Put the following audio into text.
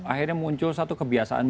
akhirnya muncul satu kebiasaan